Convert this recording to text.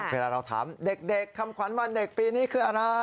เวลาเราถามเด็กคำขวัญวันเด็กปีนี้คืออะไร